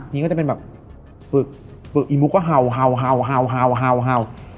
นี่ก็จะเป็นแบบปึกปึกอีมุกก็เห่าเห่าเห่าเห่าเห่าเห่า